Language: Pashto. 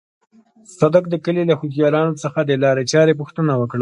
صدک د کلي له هوښيارانو څخه د لارې چارې پوښتنه وکړه.